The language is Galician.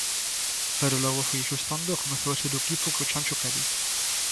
Pero logo foi axustando e comezou a ser o equipo que o Chacho quere.